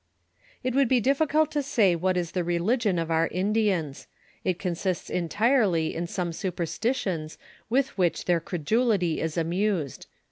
" It would bo difllcult to aay what ia the religion of our Indiana. It oonaiata entirely in aomo aupcratitions with which their credulity is amused.